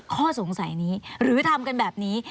ข้อสงสัยนี้หรือทำกันแบบนี้